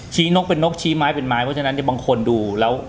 นกเป็นนกชี้ไม้เป็นไม้เพราะฉะนั้นบางคนดูแล้ว